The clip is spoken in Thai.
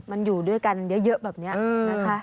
มันอยู่ด้วยกันเยอะแบบนี้นะคะ